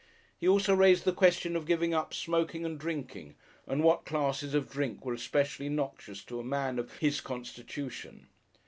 He also raised the question of giving up smoking and drinking, and what classes of drink were especially noxious to a man of his constitution.